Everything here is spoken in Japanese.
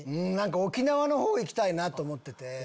沖縄の方行きたいなと思ってて。